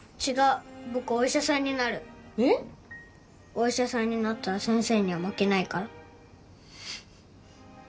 お医者さんになったら先生には負けないから。